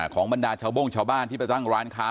บรรดาชาวโบ้งชาวบ้านที่ไปตั้งร้านค้า